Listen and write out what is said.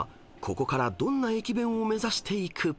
ここからどんな駅弁を目指していく？］